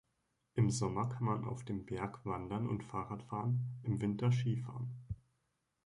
Im Sommer kann man auf dem Berg Wandern und Fahrradfahren, im Winter Skifahren.